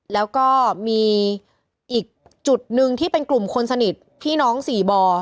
แล้วก็มีอีกจุดหนึ่งที่เป็นกลุ่มคนสนิทพี่น้องสี่บ่อ